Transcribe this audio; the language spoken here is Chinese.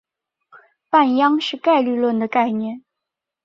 半鞅是概率论的概念。